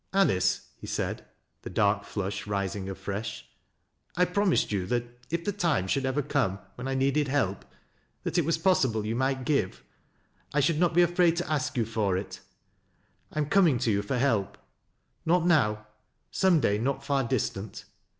"Anice," he said, the dark flush rising afresh. "1 promised you that if the time should ever come when I needed help that it was possible you might give, I should not be afraid to ask you for it. I am coming to you for help. Not now — some day not far distant.